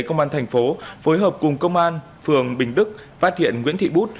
công an thành phố phối hợp cùng công an phường bình đức phát hiện nguyễn thị bút